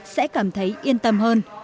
sẽ cảm thấy yên tâm hơn